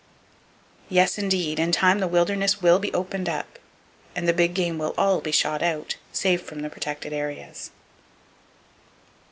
Yes, indeed! In time the wilderness will be opened up, and the big game will all be shot out, save from the protected areas.